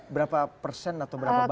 berapa persen atau berapa persen